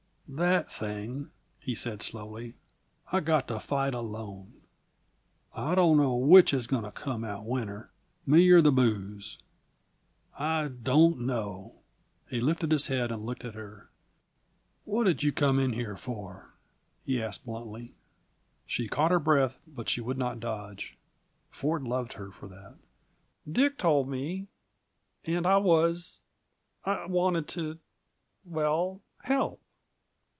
"That thing," he said slowly, "I've got to fight alone. I don't know which is going to come out winner, me or the booze. I don't know." He lifted his head and looked at her. "What did you come in here for?" he asked bluntly. She caught her breath, but she would not dodge. Ford loved her for that. "Dick told me and I was I wanted to well, help.